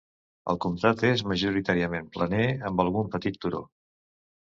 El comtat és majoritàriament planer, amb algun petit turó.